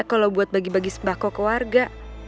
kalau buat bagi bagi sembako ke warga